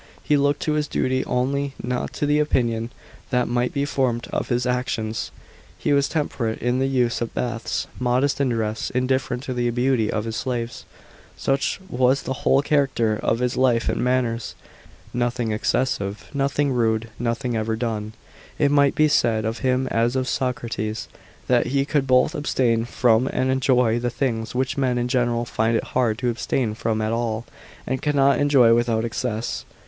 He looked to his duty only, not to the opinion that mi^ht be formed of his actions. He was temperate in the use of baths, modest in dress, indifferent to the beauty of his slaves. Such was the whole character of his life and manners : nothing harsh, nothing excessive, nothing rude, nothing over done. It might be said of him as of Socrates, that he could both abstain from and enjoy the things, which men in general find it hard to abstain from at all, and cannot enjoy without excess."